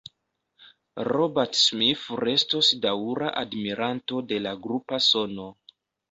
Robert Smith restos daŭra admiranto de la grupa sono.